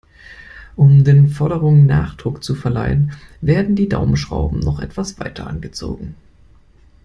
Um den Forderungen Nachdruck zu verleihen, werden die Daumenschrauben noch etwas weiter angezogen.